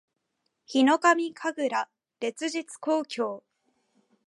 ヒノカミ神楽烈日紅鏡（ひのかみかぐられつじつこうきょう）